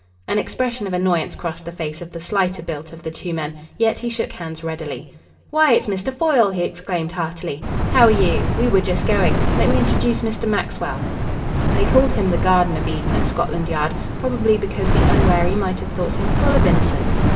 An expression of annoyance crossed the face of the slighter built of the two men, yet he shook hands readily. "Why, it's Mr. Foyle!" he exclaimed heartily. "How are you? We were just going. Let me introduce Mr. Maxwell." They called him the Garden of Eden at Scotland Yard probably because the unwary might have thought him full of innocence.